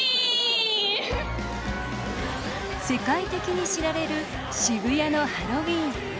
世界的に知られる渋谷のハロウィーン。